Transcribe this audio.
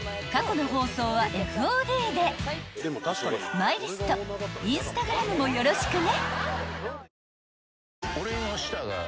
［マイリストＩｎｓｔａｇｒａｍもよろしくね］